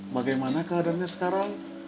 bagaimana keadaannya sekarang